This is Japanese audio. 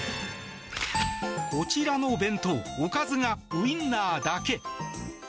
こちらの弁当おかずがウインナーだけ。